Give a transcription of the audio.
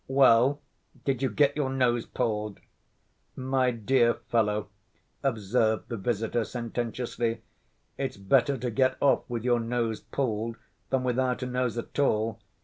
"Well, did you get your nose pulled?" "My dear fellow," observed the visitor sententiously, "it's better to get off with your nose pulled than without a nose at all.